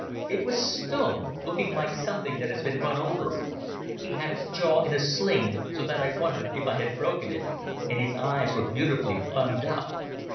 It was Stumm, looking like something that has been run over. He had his jaw in a sling, so that I wondered if I had broken it, and his eyes were beautifully bunged up.